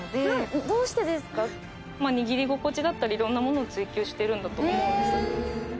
握り心地だったりいろんなものを追求してるんだと思うんです